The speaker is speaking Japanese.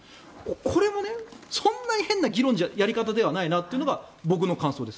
これもね、そんなに変なやり方ではないなというのが僕の感想です。